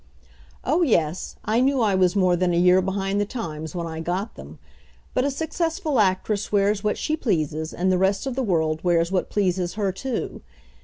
Oh, yes, I knew I was more than a year behind the times when I got them, but a successful actress wears what she pleases, and the rest of the world wears what pleases her, too.